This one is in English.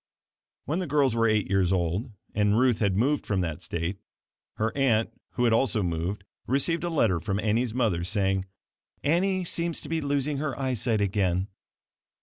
When the girls were eight years old and Ruth had moved from that state, her aunt (who had also moved) received a letter from Annie's mother, saying, "Annie seems to be losing her eyesight again."